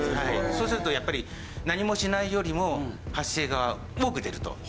そうするとやっぱり何もしないよりも発生が多く出ると。